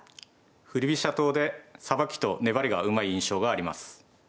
振り飛車党でさばきと粘りがうまい印象があります。